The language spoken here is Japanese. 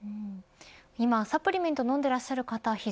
今、サプリメントを飲んでいらっしゃる方